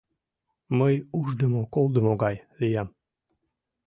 Мый уждымо-колдымо гай лиям.